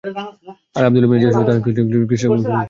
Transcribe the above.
আর Abdullah ibn Jahsh ও তার সঙ্গী-সাথীদের কৃতকর্মে সন্তুষ্ট হলেন।